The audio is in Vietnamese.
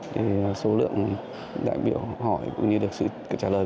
thì số lượng đại biểu học hỏi cũng như được sự trả lời